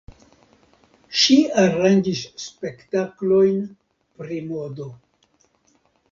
Ŝi aranĝis spektaklojn pri modo.